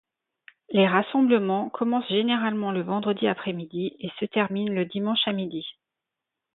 Les rassemblements commencent généralement le vendredi après-midi et se terminent le dimanche à midi.